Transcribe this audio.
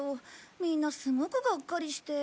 みんなすごくがっかりして。